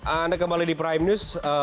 anda kembali di prime news